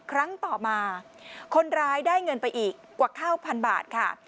ครั้งต่อมาคนร้ายได้เงินไปอีกกว่า๙๐๐บาทค่ะ